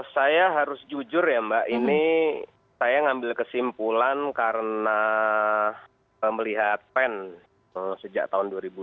saya harus jujur ya mbak ini saya ngambil kesimpulan karena melihat pen sejak tahun dua ribu dua puluh